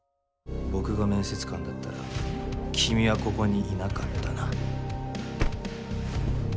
僕が面接官だったら君はここにいなかったな。